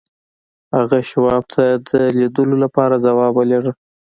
هغه شواب ته د لیدلو لپاره ځواب ولېږه